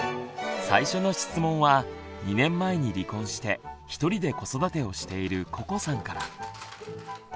最初の質問は２年前に離婚してひとりで子育てをしているここさんから。